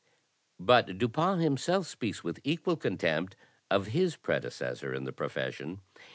But Dupin himself speaks with equal contempt of his predecessor in the profession.